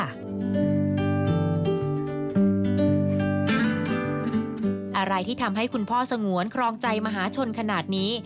อะไรที่ทำให้คุณพ่อสงวนครองใจมหาชนขนาดนี้